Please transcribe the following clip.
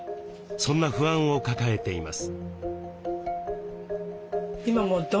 そんな不安を抱えています。